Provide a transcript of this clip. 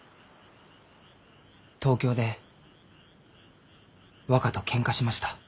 東京で若とけんかしました。